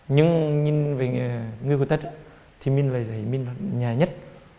nhưng nhìn về người khuyết tật thì mình là nhà nhất